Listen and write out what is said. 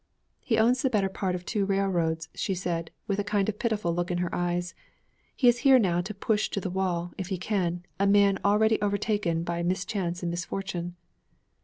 'He owns the better part of two railroads,' she said, with a kind of pitiful look in her eyes. 'He is here now to push to the wall if he can a man already overtaken by mischance and misfortune.'